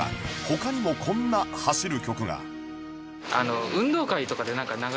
他にもこんな走る曲が